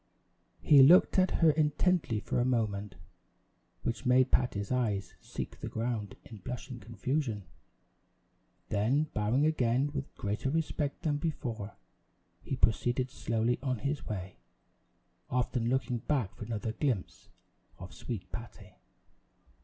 He looked at her intently for a moment, which made Patty's eyes seek the ground in blushing confusion; then bowing again with greater respect than before, he proceeded slowly on his way, often looking back for another glimpse of sweet Patty.